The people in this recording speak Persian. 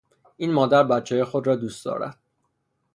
این مادر بچههای خود را دوست دارد.